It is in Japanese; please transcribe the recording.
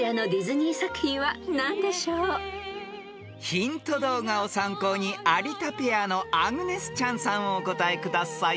［ヒント動画を参考に有田ペアのアグネス・チャンさんお答えください］